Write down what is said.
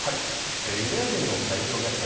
ユダヤ人の大量虐殺